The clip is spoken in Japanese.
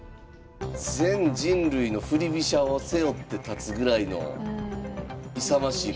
全人類の振り飛車を背負って立つぐらいの勇ましいコメントでしたけども。